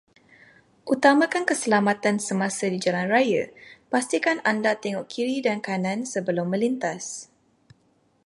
Utamakan keselamatan semasa di jalan raya, pastikan anda tengok kiri dan kanan sebelum menlintas.